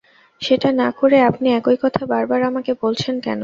সেটা না করে আপনি একই কথা বারবার আমাকে বলছেন কেন?